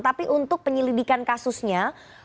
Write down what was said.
tapi untuk penyelidikan kasusnya